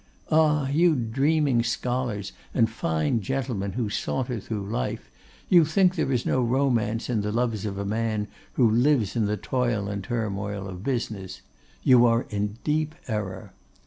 Ah! you dreaming scholars, and fine gentlemen who saunter through life, you think there is no romance in the loves of a man who lives in the toil and turmoil of business. You are in deep error.